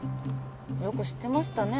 よく知ってましたね